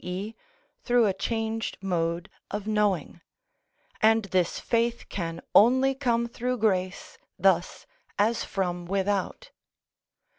e._, through a changed mode of knowing, and this faith can only come through grace, thus as from without.